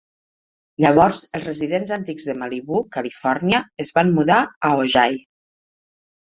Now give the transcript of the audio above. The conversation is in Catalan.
Llavors els residents antics de Malibú, Califòrnia, es van mudar a Ojai.